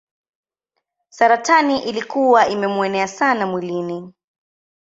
Saratani ilikuwa imemuenea sana mwilini.